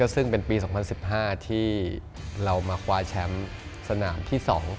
ซึ่งเป็นปี๒๐๑๕ที่เรามาคว้าแชมป์สนามที่๒